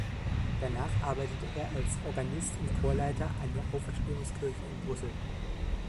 Danach arbeitete er als Organist und Chorleiter an der Auferstehungskirche in Brüssel.